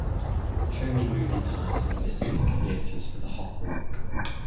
Show me movie times at the Pacific Theatres for The Hot Rock